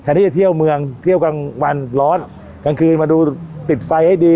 ที่จะเที่ยวเมืองเที่ยวกลางวันร้อนกลางคืนมาดูปิดไฟให้ดี